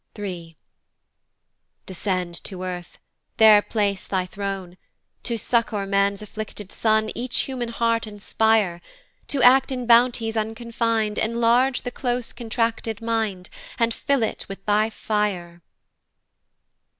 III. "Descend to earth, there place thy throne; "To succour man's afflicted son "Each human heart inspire: "To act in bounties unconfin'd "Enlarge the close contracted mind, "And fill it with thy fire."